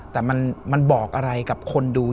แต่มันบอกอะไรกับคนดู